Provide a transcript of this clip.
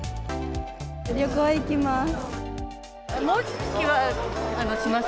旅行行きます。